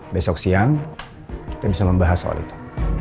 besok siang kita bisa membahas soal itu